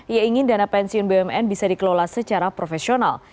ia ingin dana pensiun bumn bisa dikelola secara profesional